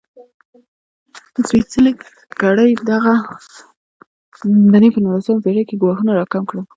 د سپېڅلې کړۍ دغې بڼې په نولسمه پېړۍ کې ګواښونه راکم کړل.